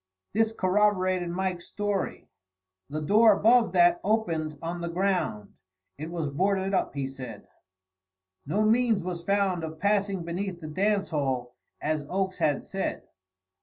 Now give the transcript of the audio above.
This corroborated Mike's story. The door above that opened on the ground. It was boarded up, he said. No means was found of passing beneath the dance hall, as Oakes had said.